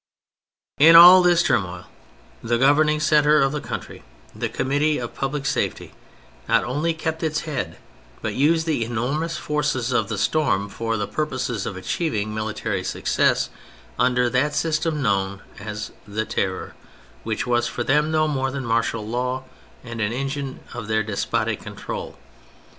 In all this turmoil the governing centre of the country, the Committee of Public Safety, not only kept its head but used the enormous forces of the storm for the pur poses of achieving military success, under that system known as '' the Terror," which was for them no more than martial law, and an engine of their despotic control.